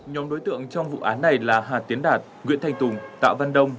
nhóm đối tượng trong vụ án này là hà tiến đạt nguyễn thành tùng tạo văn đông